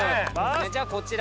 じゃこちら。